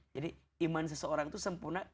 jadi iman seseorang itu sempurna